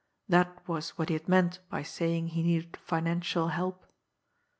That was what he had meant by saying he needed financial help.